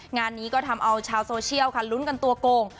งานนี้ก็ทำเอาชาวโซเชียลค่ะลุ้นกันตัวโกง